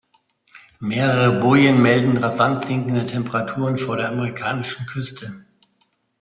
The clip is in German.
Mehrere Bojen melden rasant sinkende Temperaturen vor der amerikanischen Küste.